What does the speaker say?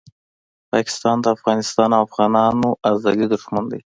پاکستان دافغانستان او افغانانو ازلي دښمن ده